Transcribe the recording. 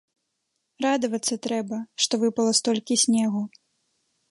Радавацца трэба, што выпала столькі снегу.